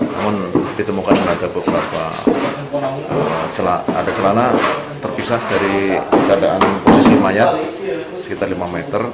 namun ditemukan ada beberapa celana terpisah dari keadaan posisi mayat sekitar lima meter